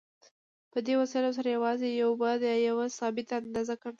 په دې وسایلو سره یوازې یو بعد یا یوه ثابته اندازه کنټرول کېږي.